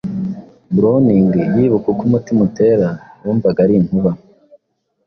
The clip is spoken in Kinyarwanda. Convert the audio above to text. Browning yibuka uko umutima utera wumvaga ari “inkuba